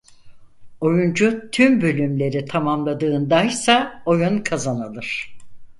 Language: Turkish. Oyuncu tüm bölümleri tamamladığındaysa oyun kazanılır.